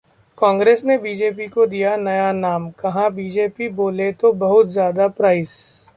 कांग्रेस ने बीजेपी को दिया नया नाम कहा, बीजेपी बोले तो 'बहुत ज्यादा प्राइस'